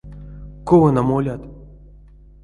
Ков эно молят?